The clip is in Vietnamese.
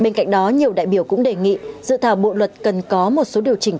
bên cạnh đó nhiều đại biểu cũng đề nghị dự thảo bộ luật cần có một số điều chỉnh